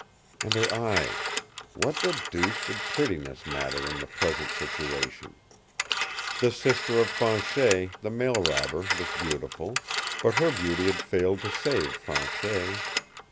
And her eyes. What the deuce did prettiness matter in the present situation? The sister of Fanchet, the mail robber, was beautiful, but her beauty had failed to save Fanchet.